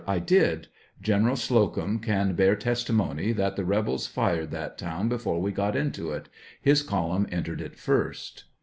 I did ; General Slocum can bear testimony that the rebels fired that town before we got into it; his column entered it first.